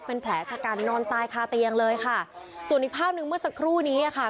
เป็นแผลชะกันนอนตายคาเตียงเลยค่ะส่วนอีกภาพหนึ่งเมื่อสักครู่นี้อ่ะค่ะ